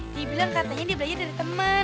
dibilang katanya di belajar dari temen